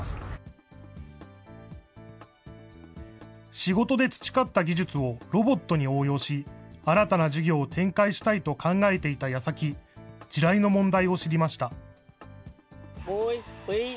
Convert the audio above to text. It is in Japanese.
仕事で培った技術をロボットに応用し、新たな事業を展開したいと考えていたやさき、地雷の問題を知りました。